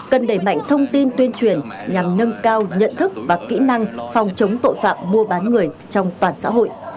cần đẩy mạnh thông tin tuyên truyền nhằm nâng cao nhận thức và kỹ năng phòng chống tội phạm mua bán người trong toàn xã hội